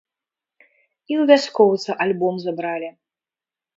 І ў вяскоўца альбом забралі.